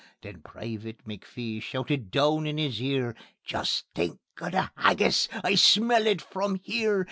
Then Private McPhee shoutit doon in his ear: "Jist think o' the haggis! I smell it from here.